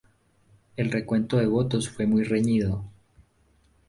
El recuento de votos fue muy reñido.